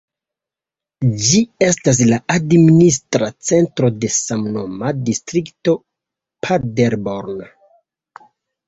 Ĝi estas la administra centro de samnoma distrikto Paderborn.